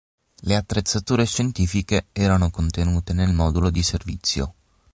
Le attrezzature scientifiche erano contenute nel modulo di servizio.